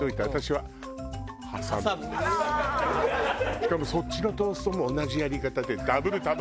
しかもそっちのトーストも同じやり方でダブル卵。